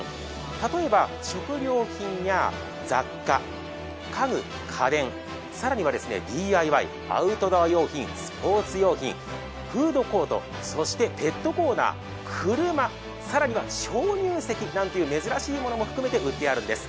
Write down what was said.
例えば、食料品や雑貨、家具、家電、更にはＤＩＹアウトドア用品スポーツ用品、フードコートそしてペットコーナー、車、更には鍾乳石なんていう珍しいものも含めて売ってあるんです。